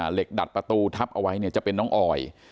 ดัดประตูทับเอาไว้เนี่ยจะเป็นน้องออย